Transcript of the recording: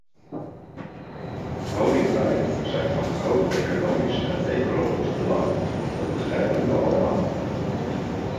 Honingbijen zijn van groot economisch en ecologisch belang - dat begrijpen we allemaal.